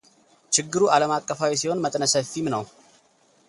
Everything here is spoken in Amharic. ችግሩ ዓለም አቀፋዊ ሲሆን መጠነ ሰፊም ነው።